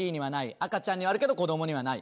赤ちゃんにはあるけど子どもにはない。